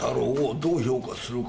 どう評価するか？